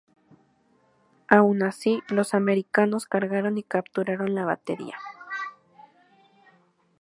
Aun así, los americanos cargaron y capturaron la batería.